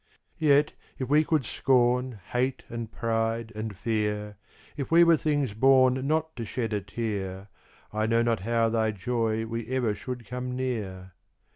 Yet, if we could scorn, Hate and pride, and fear; If we were things born Not to shed a tear, I know not how thy joy we ever should come near.